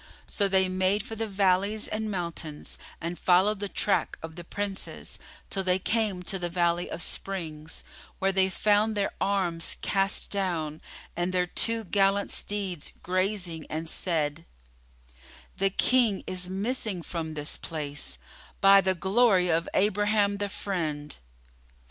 So they made for the valleys and mountains and followed the track of the Princes, till they came to the Valley of Springs, where they found their arms cast down and their two gallant steeds grazing and said, "The King is missing from this place, by the glory of Abraham the Friend!"